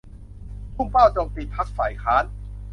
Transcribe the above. พุ่งเป้าโจมตีพรรคฝ่ายค้าน